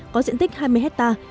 có diện tích hai mươi hectare